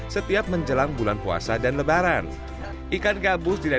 snakehead atau ikan berkepala ular